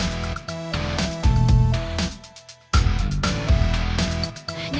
aku diam untuk kalian